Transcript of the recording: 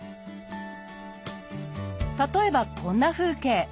例えばこんな風景。